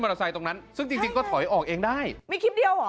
เตอร์ไซค์ตรงนั้นซึ่งจริงจริงก็ถอยออกเองได้มีคลิปเดียวเหรอ